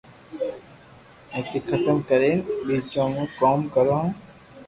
ايني ختم ڪرين بيجو بو ڪوم ڪروُ ھي